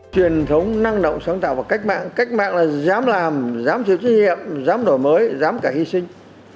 truyền thống năng động sáng tạo và cách mạng cách mạng là dám làm dám chịu trách nhiệm dám đổi mới dám cả hy sinh